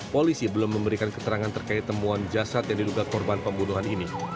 polisi belum memberikan keterangan terkait temuan jasad yang diduga korban pembunuhan ini